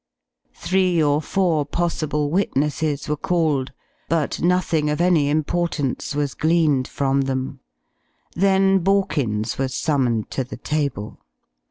Three or four possible witnesses were called, but nothing of any importance was gleaned from them; then Borkins was summoned to the table.